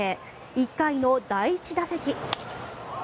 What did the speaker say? １回の第１打席。